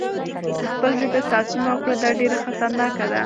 د خپل ژبې ساتنه وکړه، دا ډېره خطرناکه ده.